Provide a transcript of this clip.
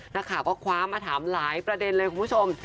นักข่าวก็คว้ามาถามหลายประเด็นเลยคุณผู้ชม